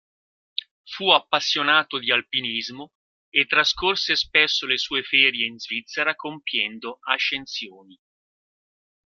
Fu appassionato di alpinismo e trascorse spesso le sue ferie in Svizzera compiendo ascensioni.